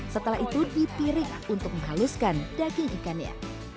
setelah itu dipirik untuk menghaluskan daging ikannya